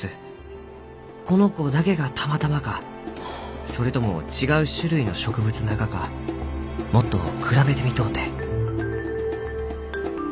この子だけがたまたまかそれとも違う種類の植物ながかもっと比べてみとうて」。